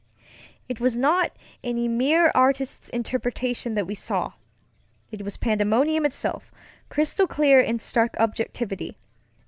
It was not any mere artist's interpretation that we saw; it was pandemonium itself, crystal clear in stark objectivity.